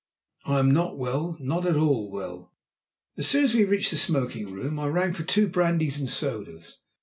"I am not well not at all well." As soon as we reached the smoking room I rang for two brandies and sodas.